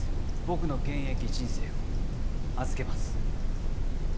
僕の現役人生を預けます